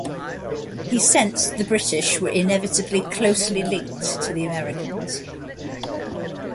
He sensed the British were inevitably closely linked to the Americans.